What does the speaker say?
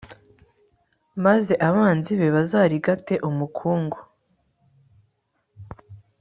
maze abanzi be bazarigate umukungugu